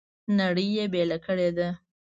نړۍ یې بېله کړې ده.